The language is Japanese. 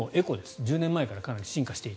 １０年前からかなり進化していた。